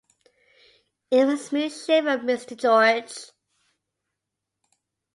It makes me shiver, Mr. George.